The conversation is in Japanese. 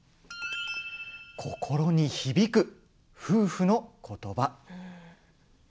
心に響く夫婦のことば。